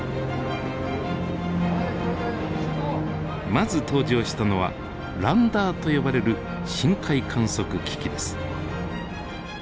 まず登場したのはランダーと呼ばれる深海観測機器です。